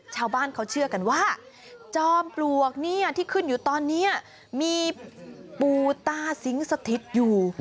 ชาวบ้านเขาเชื่อกันว่าจอมปลวกเนี่ยที่ขึ้นอยู่ตอนนี้มีปูตาสิงสถิตอยู่